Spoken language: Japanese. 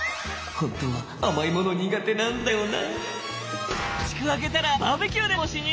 本当は甘いもの苦手なんだよな。